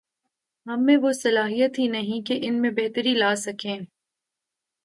ہم میں وہ صلاحیت ہی نہیں کہ ان میں بہتری لا سکیں۔